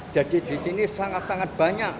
jadi disini sangat sangat banyak